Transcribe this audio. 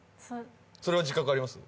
それは自覚あります？